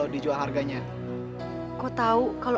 ada apa ya kek